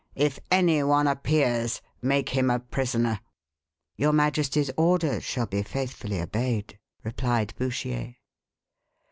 If any one appears, make him a prisoner." "Your majesty's orders shall be faithfully obeyed," replied Bouchier.